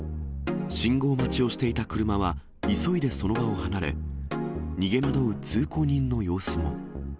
信号待ちをしていた車は、急いでその場を離れ、逃げ惑う通行人の様子も。